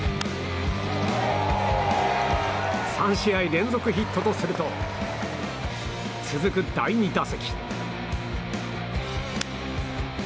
３試合連続ヒットとすると続く第２打席。